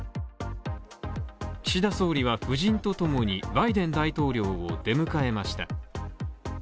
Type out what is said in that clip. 岸田総理は夫人とともにバイデン大統領を出迎えました。